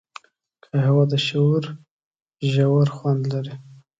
قهوه د شعور ژور خوند لري